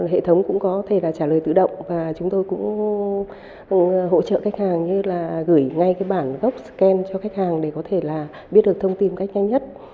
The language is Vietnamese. hệ thống cũng có thể là trả lời tự động và chúng tôi cũng hỗ trợ khách hàng như là gửi ngay cái bản gốc scan cho khách hàng để có thể là biết được thông tin một cách nhanh nhất